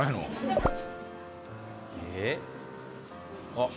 あっ。